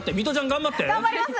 頑張ります。